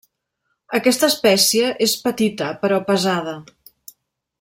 Aquesta espècie és petita, però pesada.